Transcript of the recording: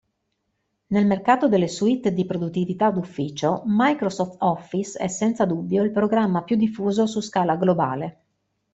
Nel mercato delle suite di produttività d'ufficio Microsoft Office è senza dubbio il programma più diffuso su scala globale.